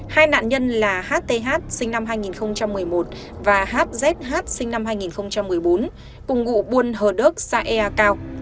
hai nạn nhân là hth sinh năm hai nghìn một mươi một và hz sinh năm hai nghìn một mươi bốn cùng ngụ buôn hờ đớt xã ea cao